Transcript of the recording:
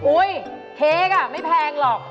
อุ๊ยเค้กไม่แพงหรอก